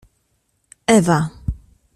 Ewa.